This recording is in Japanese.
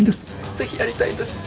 ぜひやりたいんです。